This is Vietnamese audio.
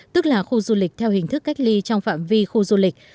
tức là khu du lịch theo hình thức cách ly trong phạm vi khu du lịch